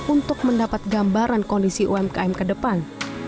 untuk mendapat gambaran kondisi umkm ke depan